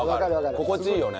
心地いいよね。